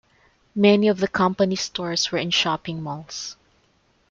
Many of the company's stores were in shopping malls.